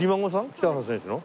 北原選手の？